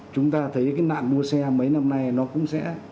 chúng ta thấy cái nạn đua xe mấy năm nay nó cũng sẽ